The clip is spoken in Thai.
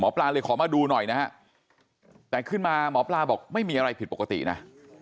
ปลาเลยขอมาดูหน่อยนะฮะแต่ขึ้นมาหมอปลาบอกไม่มีอะไรผิดปกตินะ